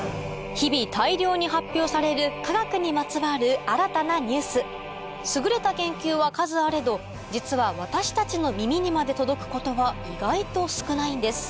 日々大量に発表される科学にまつわる新たなニュース優れた研究は数あれど実は私たちの耳にまで届くことは意外と少ないんです